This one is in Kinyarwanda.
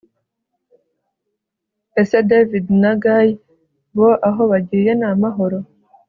ese david na guy bo aho bagiye namahoro!